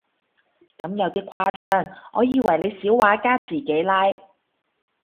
咁有啲誇張，我以為你小畫家自己拉